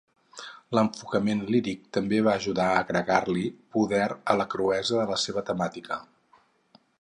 L'enfocament líric també va ajudar a agregar-li poder a la cruesa de la seva temàtica.